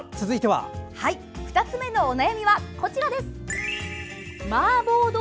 ２つ目のお悩みはこちらです。